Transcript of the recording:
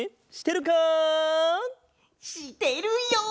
してるよ！